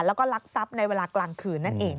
แล้วก็ลักทรัพย์ในเวลากลางคืนนั่นเอง